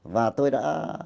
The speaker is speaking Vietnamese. và tôi đã